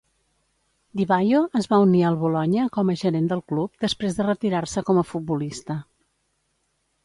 Di Vaio es va unir al Bologna com a gerent del club després de retirar-se com a futbolista.